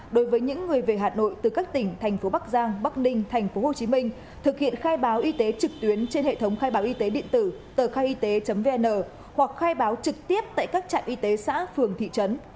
đối với những người về hà nội từ các tỉnh thành phố bắc giang bắc ninh tp hcm thực hiện khai báo y tế trực tuyến trên hệ thống khai báo y tế điện tử tờ khai y tế vn hoặc khai báo trực tiếp tại các trạm y tế xã phường thị trấn